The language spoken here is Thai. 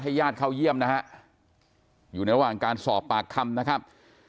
ญาติเข้าเยี่ยมนะฮะอยู่ในระหว่างการสอบปากคำนะครับ